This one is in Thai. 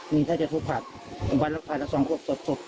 มีเท่าที่จะทุกภาพอุปัติภาพแล้วสองครบสดสด